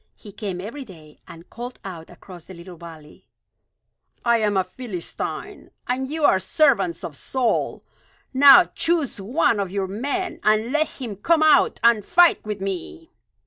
He came every day and called out across the little valley: "I am a Philistine, and you are servants of Saul. Now choose one of your men, and let him come out and fight with me.